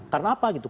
karena apa gitu